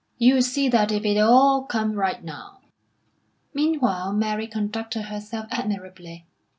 "You'll see that if it'll all come right now." Meanwhile, Mary conducted herself admirably.